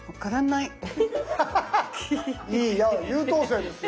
いや優等生ですよ。